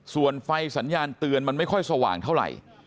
ส่วนไฟสัญญาณเตือนมันไม่ค่อยสว่างเท่าไหร่